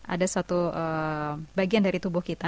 ada suatu bagian dari tubuh kita